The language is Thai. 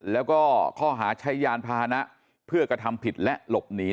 แล้วก็ข้อหาใช้ยานพาหนะเพื่อกระทำผิดและหลบหนี